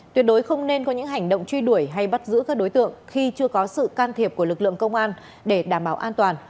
tuyệt đối không nên có những hành động truy đuổi hay bắt giữ các đối tượng khi chưa có sự can thiệp của lực lượng công an để đảm bảo an toàn